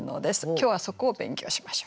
今日はそこを勉強しましょう。